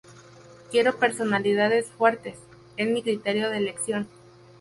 Quiero personalidades fuertes, es mi criterio de elección.